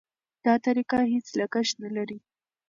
دا طریقه هېڅ لګښت نه لري.